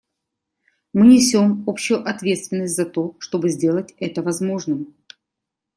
Мы несем общую ответственность за то, чтобы сделать это возможным.